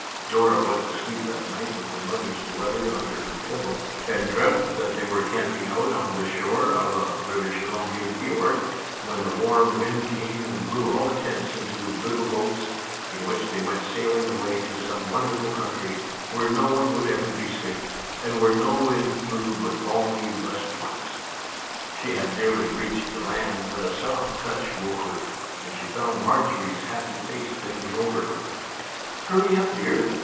Dora went to sleep that night with her mother's letter under her pillow, and dreamt that they were camping out on the shore of a British Columbian fiord, when a warm wind Our Little Canadian Cousin 43 came and blew all the tents into little boats, in which they went sailing away to some wonder ful country, where no one would ever be sick, and where no winds blew but balmy west ones. She had nearly reached the land, when a soft touch woke her, and she found Marjorie's happy face bending over her. " Hurry up, dear